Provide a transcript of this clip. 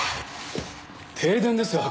停電ですよ！